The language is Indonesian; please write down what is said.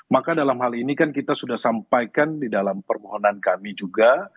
maka dalam hal ini kan kita sudah sampaikan di dalam permohonan kami juga